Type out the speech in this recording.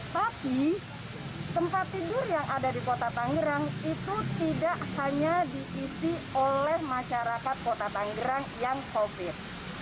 tapi tempat tidur yang ada di kota tangerang itu tidak hanya diisi oleh masyarakat kota tanggerang yang covid